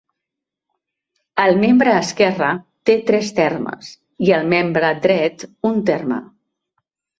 El membre esquerre té tres termes i el membre dret un terme.